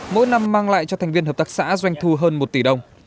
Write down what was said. mỗi năm mang lại cho thành viên hợp tác xã doanh thu hơn một tỷ đồng